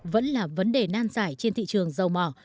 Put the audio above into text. vẫn là vấn đề nan giải trên thị trường dầu mỏ